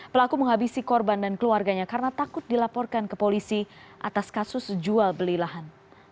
pelaku menghabisi korban dan keluarganya karena takut dilaporkan ke polisi atas kasus jual beli lahan